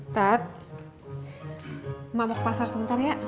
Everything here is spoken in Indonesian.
tat emang mau ke pasar sebentar ya